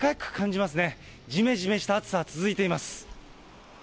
じめじめした暑さ続いています。